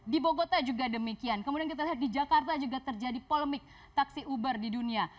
di bogota juga demikian kemudian kita lihat di jakarta juga terjadi polemik taksi uber di dunia